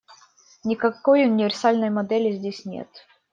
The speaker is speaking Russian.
Никакой универсальной модели здесь нет.